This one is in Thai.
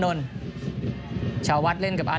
ส่วนที่สุดท้ายส่วนที่สุดท้าย